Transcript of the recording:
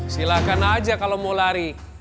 silahkan aja kalau mau lari